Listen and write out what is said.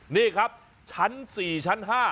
นี่ครับชั้น๔ชั้น๕